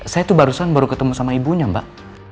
saya tuh barusan baru ketemu sama ibunya mbak